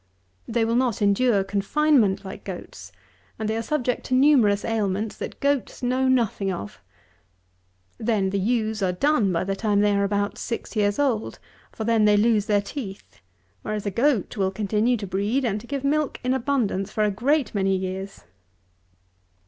They will not endure confinement like goats; and they are subject to numerous ailments that goats know nothing of. Then the ewes are done by the time they are about six years old; for they then lose their teeth; whereas a goat will continue to breed and to give milk in abundance for a great many years.